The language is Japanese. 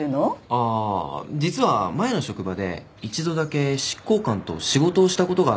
ああ実は前の職場で一度だけ執行官と仕事をした事があったんですよ。